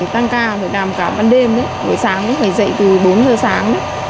tăng ca phải làm cả ban đêm buổi sáng phải dậy từ bốn giờ sáng